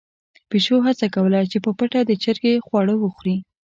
پيشو هڅه کوله چې په پټه د چرګې خواړه وخوري.